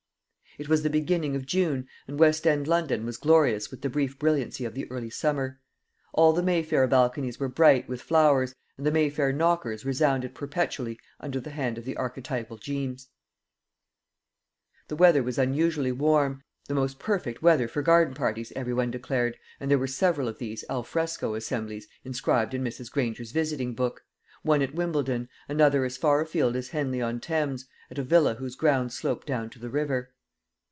It was the beginning of June, and West end London was glorious with the brief brilliancy of the early summer. All the Mayfair balconies were bright with, flowers, and the Mayfair knockers resounded perpetually under the hand of the archetypal Jeames. The weather was unusually warm; the most perfect weather for garden parties, every one declared, and there were several of these al fresco assemblies inscribed in Mrs. Granger's visiting book: one at Wimbledon; another as far afield as Henley on Thames, at a villa whose grounds sloped down to the river.